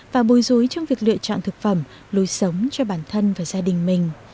và bồi dối trong việc lựa chọn thực phẩm lối sống cho bản thân và gia đình mình